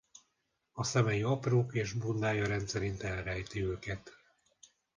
A szemei aprók és bundája rendszerint elrejti őket.